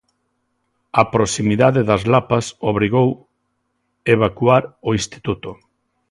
A proximidade das lapas obrigou evacuar o instituto.